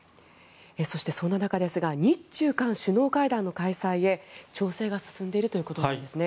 そして、その中ですが日中韓首脳会談の開催へ調整が進んでいるということですね。